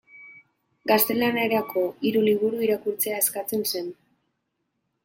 Gaztelaniarako hiru liburu irakurtzea eskatzen zen.